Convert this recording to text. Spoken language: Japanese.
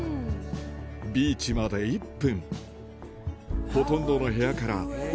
ビーチまで１分。